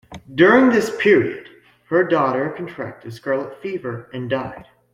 During this period, her daughter contracted scarlet fever and died.